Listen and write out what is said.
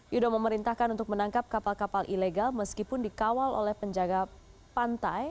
yudho memerintahkan untuk menangkap kapal kapal ilegal meskipun dikawal oleh penjaga pantai